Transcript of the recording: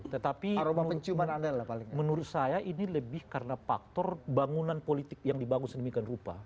tetapi menurut saya ini lebih karena faktor bangunan politik yang dibangun sedemikian rupa